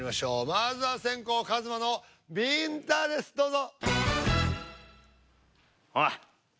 まずは先攻ＫＡＭＡのびんたですどうぞ。